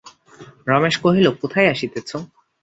রমেশ কহিল, কোথায় আসিতেছ?